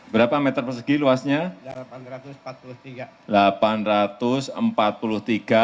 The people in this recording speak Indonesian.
berapa meter persegi luasnya